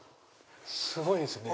すごいですよね。